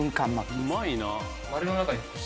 うまいな。